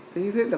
như thế là